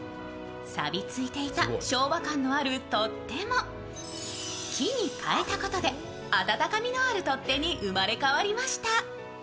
さびついていた昭和感のあるとっても木に変えたことで温かみのある取っ手に生まれ変わりました。